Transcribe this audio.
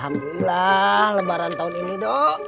alhamdulillah lebaran tahun ini dok